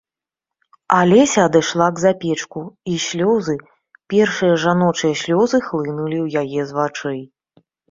Алеся адышла к запечку, і слёзы, першыя жаночыя слёзы, хлынулі ў яе з вачэй.